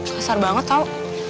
kasar banget tau